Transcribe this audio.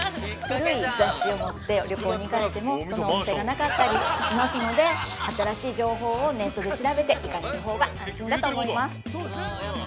◆古い雑誌を持って、旅行に行かれてもその温泉がなかったりしますので新しい情報をネットで調べて行かれるほうが安心だと思います。